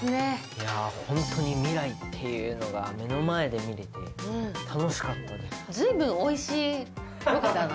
いや本当に未来っていうのが目の前で見られて楽しかったです。